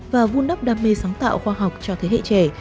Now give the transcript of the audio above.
và vun đắp đam mê sáng tạo khoa học cho thế hệ trẻ